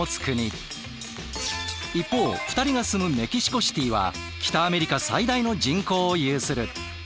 一方２人が住むメキシコシティーは北アメリカ最大の人口を有する。